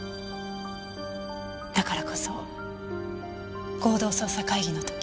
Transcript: だからこそ合同捜査会議の時。